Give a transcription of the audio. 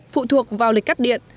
phụ thuộc vào lịch cắt điện